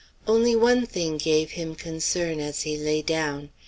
Only one thing gave him concern as he lay down.